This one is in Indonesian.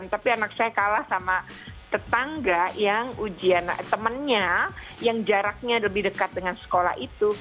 tapi anak saya kalah sama tetangga yang ujian temannya yang jaraknya lebih dekat dengan sekolah itu